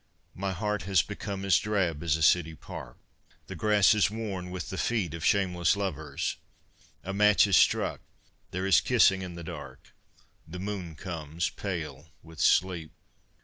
My heart has become as drab as a city park, The grass is worn with the feet of shameless lovers, A match is struck, there is kissing in the dark, The moon comes, pale with sleep.